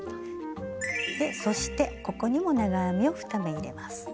でそしてここにも長編みを２目入れます。